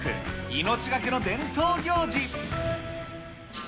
命懸けの伝統行事。